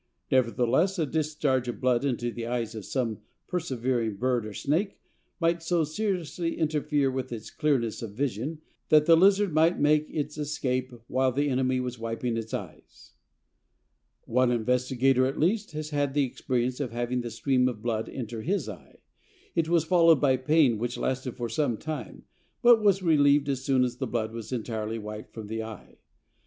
Nevertheless a discharge of blood into the eyes of some persevering bird or snake might so seriously interfere with its clearness of vision that the lizard might make its escape while the enemy was wiping its eyes." One investigator, at least, has had the experience of having the stream of blood enter his eye. It was followed by pain which lasted for some time, but was relieved as soon as the blood was entirely wiped from the eye.